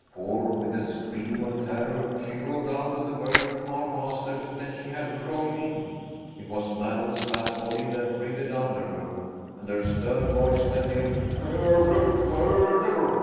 For, with a scream of terror, she rolled out of the berth far faster than she had rolled in. It was madam's fat body that writhed under her, and her stern voice that yelled "Murder! murder!"